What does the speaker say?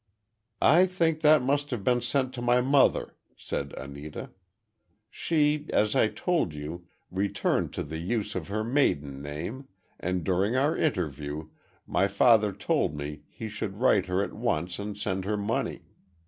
"I think that must have been sent to my mother," said Anita. "She, as I told you, returned to the use of her maiden name, and during our interview, my father told me he should write her at once and send her money.